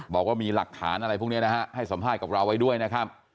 บอกว่ามีหลักฐานอะไรพวกนี้นะฮะให้สัมภาษณ์กับเราไว้ด้วยนะครับ